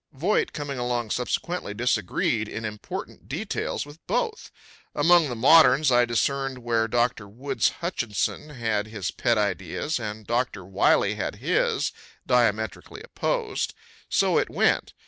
Voit, coming along subsequently, disagreed in important details with both. Among the moderns I discerned where Dr. Woods Hutchinson had his pet ideas and Doctor Wiley had his, diametrically opposed. So it went.